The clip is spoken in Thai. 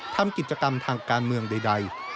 ทำกิจกรรมทางการเมืองใด